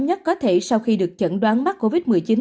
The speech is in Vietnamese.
nhất có thể sau khi được chẩn đoán mắc covid một mươi chín